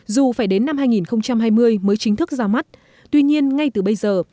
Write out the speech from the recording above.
dù phải đến năm hai nghìn hai mươi mới chính thức ra mắt tuy nhiên ngay từ bây giờ